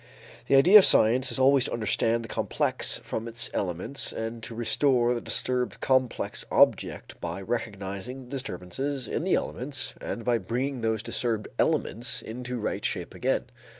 The idea of science is always to understand the complex from its elements and to restore the disturbed complex object by recognizing the disturbances in the elements and by bringing those disturbed elements into right shape again.